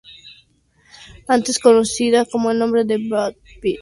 Antes se conocía con el nombre de "Bowditch".